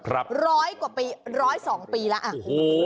ร้อยกว่าปี๑๐๒ปีแล้ว